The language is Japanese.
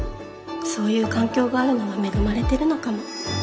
そういう環境があるのは恵まれてるのかも。